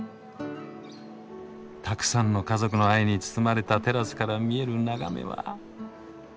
たくさんの家族の愛に包まれたテラスから見える眺めは？